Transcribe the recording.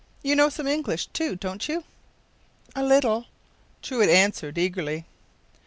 You know some English, too, don’t you?” “A little,” Truide answered, eagerly.